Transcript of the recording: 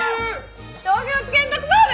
東京地検特捜部！